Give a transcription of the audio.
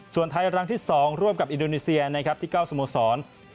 ส่วนไทยรังที่๒ร่วมกับอินโดนิเซียที่๙สมสรรค์